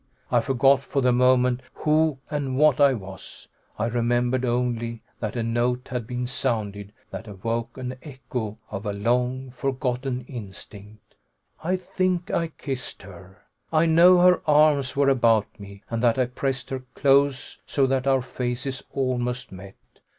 I forgot, for the moment, who and what I was. I remembered only that a note had been sounded that awoke an echo of a long forgotten instinct. I think I kissed her. I know her arms were about me, and that I pressed her close, so that our faces almost met.